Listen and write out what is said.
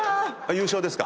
優勝ですか？